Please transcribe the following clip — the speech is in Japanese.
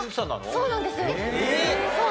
そうなんです。